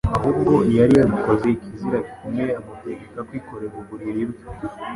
ahubwo yari yanakoze ikizira gikomeye amutegeka kwikorera uburiri bwe.